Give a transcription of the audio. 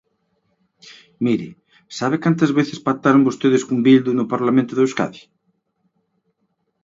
Mire, ¿sabe cantas veces pactaron votedes con Bildu no Parlamento de Euskadi?